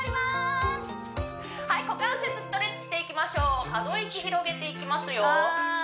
股関節ストレッチしていきましょう可動域広げていきますよ